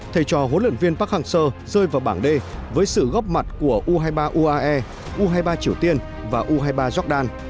thầy trò huấn luyện viên park hang seo rơi vào bảng d với sự góp mặt của u hai mươi ba uae u hai mươi ba triều tiên và u hai mươi ba jordan